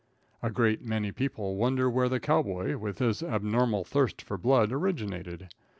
A great many people wonder where the cow boy, with his abnormal thirst for blood, originated.